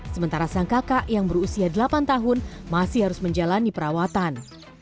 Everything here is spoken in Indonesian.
sementara sang kakak yang berusia delapan tahun masih harus menjalani perawatan